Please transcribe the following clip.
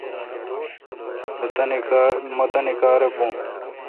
مہ تانی کار بھو۔